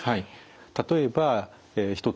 例えば一つ